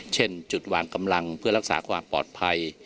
เช่นจุดวางกำลังเพื่อรักษาความปลอดภัย